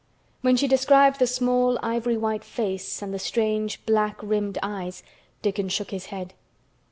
When she described the small ivory white face and the strange black rimmed eyes Dickon shook his head.